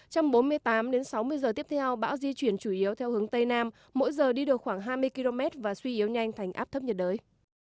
trong bốn mươi tám sáu mươi giờ tiếp theo bão di chuyển chủ yếu theo hướng tây nam mỗi giờ đi được khoảng hai mươi km và suy yếu nhanh thành áp thấp nhiệt đới